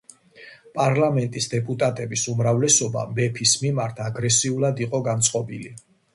პარლამენტის დეპუტატების უმრავლესობა მეფის მიმართ აგრესიულად იყო განწყობილი.